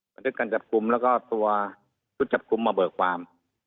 ประเทศกรรมจับคลุมแล้วก็ตัวทุศจับคลุมมาเบิกความ